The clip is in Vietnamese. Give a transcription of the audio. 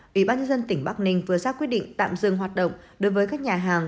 ủy ban nhân dân tỉnh bắc ninh vừa ra quyết định tạm dừng hoạt động đối với các nhà hàng